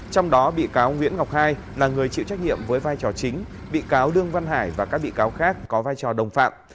trong đó bị cáo nguyễn ngọc hai là người chịu trách nhiệm với vai trò chính bị cáo đương văn hải và các bị cáo khác có vai trò đồng phạm